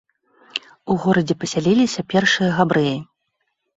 У горадзе пасяліліся першыя габрэі.